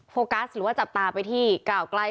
โฟกัสหรือจับตาไปที่กล่าวกลาย